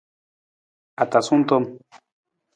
Atasung tom.